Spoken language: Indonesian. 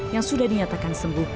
yang sudah dinyatakan sembuh